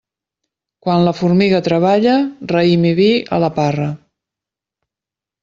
Quan la formiga treballa, raïm i vi a la parra.